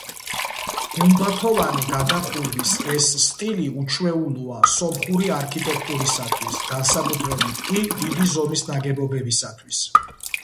გუმბათოვანი გადახურვის ეს სტილი უჩვეულოა სომხური არქიტექტურისათვის, განსაკუთრებით კი დიდი ზომის ნაგებობებისათვის.